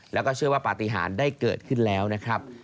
แล้วก็เชื่อว่าปฏิหารได้เกิดขึ้นแล้วนะครับ